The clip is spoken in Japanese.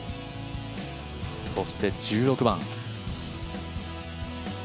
そして１６番。